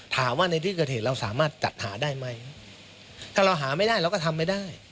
ถามว่าในที่เกิดเหตุเราสามารถจัดหาได้ไหมถ้าเราหาไม่ได้เราก็ทำไม่ได้